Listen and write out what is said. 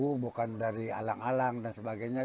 itu bukan dari alang alang dan sebagainya